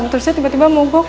muter saya tiba tiba mubuk